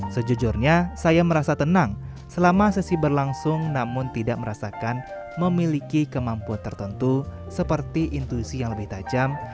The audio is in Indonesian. sejujurnya saya merasa tenang selama sesi berlangsung namun tidak merasakan memiliki kemampuan tertentu seperti intuisi yang lebih tajam